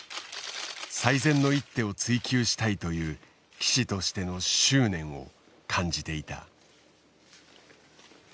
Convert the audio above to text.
最善の一手を追求したいという棋士としての執念を感じていた。